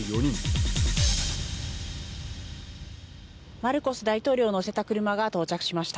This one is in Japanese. マルコス大統領を乗せた車が到着しました。